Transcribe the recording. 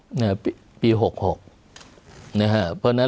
เพราะนั้นนอกจากลาหูจะทับดวงเมืองแล้ว